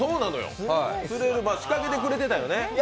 仕掛けてくれていたよね？